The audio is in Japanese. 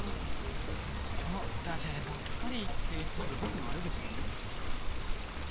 そうそうダジャレばっかり言ってってそれぼくのわる口じゃない？